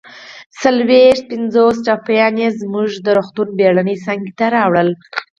څلويښت پنځوس ټپیان يې زموږ د روغتون بېړنۍ څانګې ته راوړل